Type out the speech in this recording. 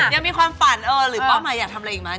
ยังมีความฝันหรือเป้าหมายอยากทำอะไรอีกไหม